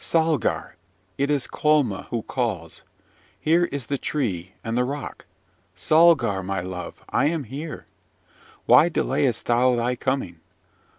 Salgar! it is Colma who calls. Here is the tree and the rock. Salgar, my love, I am here! Why delayest thou thy coming?